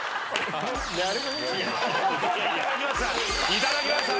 いただきました！